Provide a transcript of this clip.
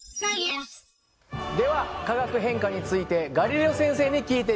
では化学変化についてガリレオ先生に聞いてみましょう。